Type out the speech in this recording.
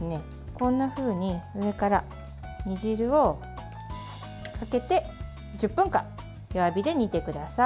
こんなふうに上から煮汁をかけて１０分間、弱火で煮てください。